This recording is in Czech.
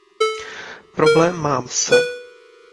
Problém mám s